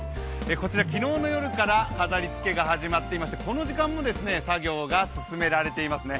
こちら昨日の夜から飾り付けが始まっていましてこの時間も作業が進められていますね。